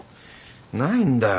ないんだよ。